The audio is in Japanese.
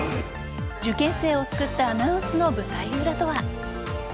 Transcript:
受験生を救ったアナウンスの舞台裏とは。